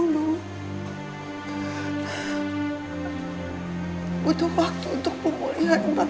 lu udah pulang